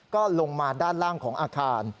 ก็ลงมาด้านล่างของอาคาร